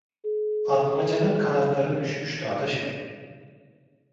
Atmaca'nın kanatları düşmüştü adaşım.